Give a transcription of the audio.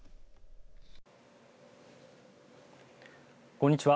こんにちは。